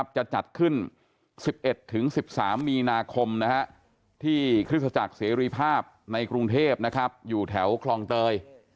จะจัดขึ้น๑๑๑๑๓มีนาคมที่คริสตจักรเสรีภาพในกรุงเทพอยู่แถวคลองเตย